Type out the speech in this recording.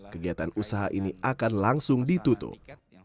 kegiatan usaha ini akan langsung ditutup